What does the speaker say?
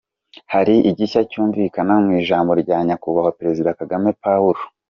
Hari igishya cyumvikana mu ijambo rya Nyakubahwa Perezida Kagame Pawulo